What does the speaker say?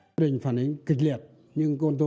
với mẹ mối mẹ ông con